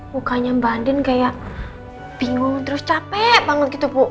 mukanya mbak andin kayak bingung terus capek banget gitu bu